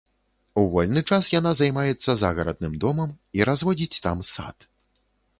У вольны час яна займаецца загарадным домам і разводзіць там сад.